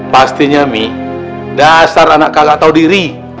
pastinya mie dasar anak kakak tahu diri